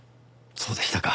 そうでしたか。